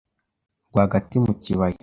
rwagati mu kibaya